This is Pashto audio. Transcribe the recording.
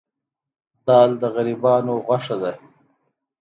دال د غریبانو غوښه ده.